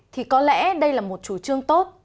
thì có lẽ đây là một chủ trương tốt